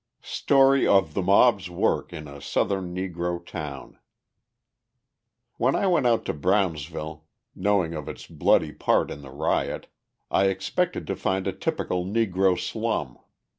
Story of the Mob's Work in a Southern Negro Town When I went out to Brownsville, knowing of its bloody part in the riot, I expected to find a typical Negro slum.